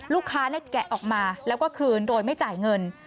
แกะออกมาแล้วก็คืนโดยไม่จ่ายเงิน